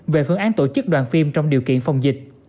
về phương án tổ chức đoàn phim trong điều kiện phòng dịch